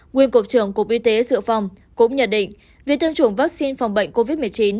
nguyên cục trưởng cục y tế dự phòng cũng nhận định việc tiêm chủng vaccine phòng bệnh covid một mươi chín